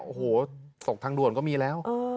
โอ้โหตกทางด่วนก็มีแล้ว